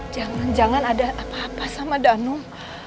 jangan jangan ada apa apa sama danum